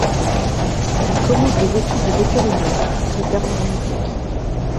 Il commence des études de vétérinaire, puis d'art dramatique.